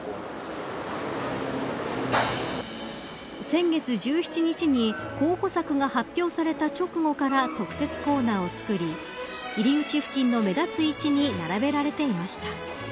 先月１７日に候補作が発表された直後から特設コーナーを作り入り口付近の目立つ位置に並べられていました。